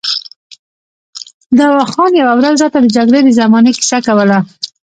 دوا خان یوه ورځ راته د جګړې د زمانې کیسه کوله.